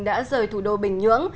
đã rời thủ đô bình nhưỡng